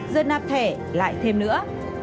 giờ nạp thẻ lại thêm nữa